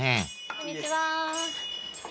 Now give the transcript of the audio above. こんにちは。